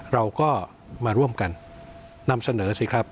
เราก็มาร่วมกันนำเสนอสิครับ